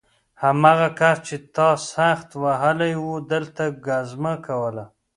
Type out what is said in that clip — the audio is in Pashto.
هماغه کس چې تا سخت وهلی و دلته ګزمه کوله